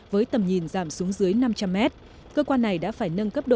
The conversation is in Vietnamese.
với tầm nhìn giảm xuống dưới năm trăm linh mét